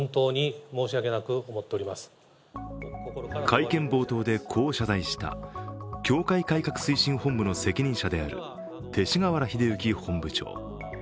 会見冒頭でこう謝罪した教会改革推進本部の責任者である、勅使河原秀行本部長。